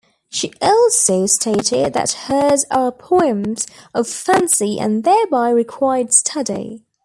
She also stated that hers are poems of fancy and thereby required study.